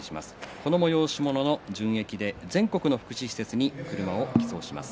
この催し物の純益で全国の福祉施設に車を寄贈します。